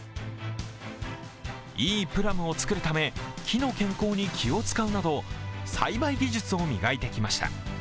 いいプラムを作るため木の健康に気を遣うなど栽培技術を磨いてきました。